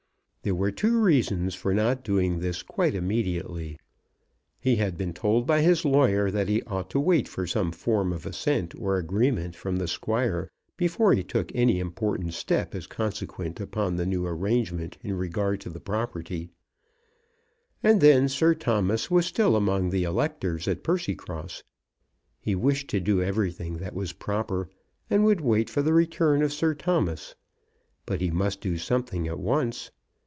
There were two reasons for not doing this quite immediately. He had been told by his lawyer that he ought to wait for some form of assent or agreement from the Squire before he took any important step as consequent upon the new arrangement in regard to the property, and then Sir Thomas was still among the electors at Percycross. He wished to do everything that was proper, and would wait for the return of Sir Thomas. But he must do something at once.